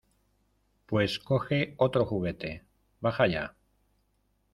Pues coge otro juguete. ¡ Baja ya!